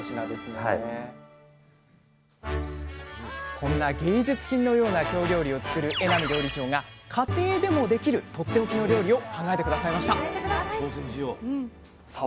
こんな芸術品のような京料理を作る榎並料理長が家庭でもできるとっておきの料理を考えて下さいましたさあ